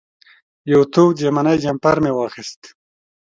یو تود ژمنی جمپر مې واخېست.